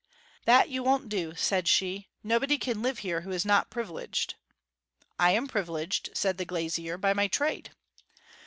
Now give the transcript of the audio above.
'That you won't do,' said she. 'Nobody can live here who is not privileged.' 'I am privileged,' said the glazier, 'by my trade.'